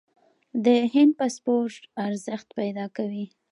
د هند پاسپورت ارزښت پیدا کوي.